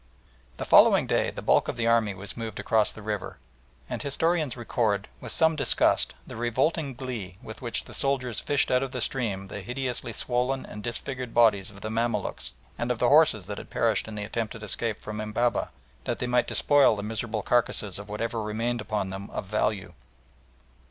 The following day the bulk of the army was moved across the river, and historians record, with some disgust, the revolting glee with which the soldiers fished out of the stream the hideously swollen and disfigured bodies of the Mamaluks and of the horses that had perished in the attempted escape from Embabeh that they might despoil the miserable carcases of whatever remained upon them of value.